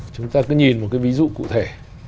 chúng ta cứ nhìn một cái ví dụ cụ thể